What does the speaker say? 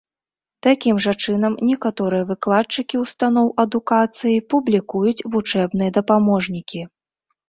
Такім жа чынам некаторыя выкладчыкі ўстаноў адукацыі публікуюць вучэбныя дапаможнікі.